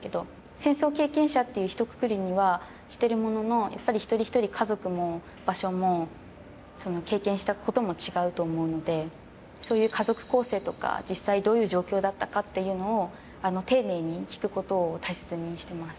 戦争経験者っていうひとくくりにはしてるもののやっぱり一人一人家族も場所も経験したことも違うと思うのでそういう家族構成とか実際どういう状況だったかっていうのを丁寧に聞くことを大切にしてます。